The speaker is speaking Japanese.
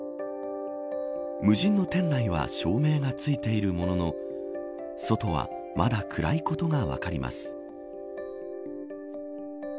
無人の店内は照明がついているものの外はまだ暗いことが分かります。